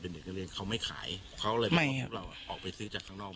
เป็นเด็กนักเรียนเขาไม่ขายเขาเลยบอกว่าพวกเราออกไปซื้อจากทางนอก